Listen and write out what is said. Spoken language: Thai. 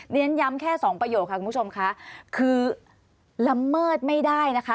เรียนย้ำแค่สองประโยคค่ะคุณผู้ชมค่ะคือละเมิดไม่ได้นะคะ